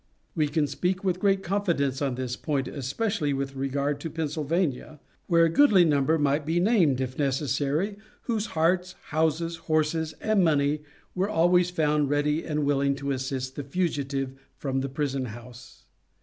We can speak with great confidence on this point especially with regard to Pennsylvania, where a goodly number might be named, if necessary, whose hearts, houses, horses, and money were always found ready and willing to assist the fugitive from the prison house.